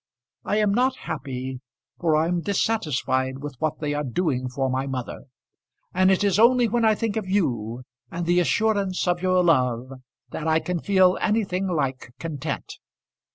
I am not happy, for I am dissatisfied with what they are doing for my mother; and it is only when I think of you, and the assurance of your love, that I can feel anything like content.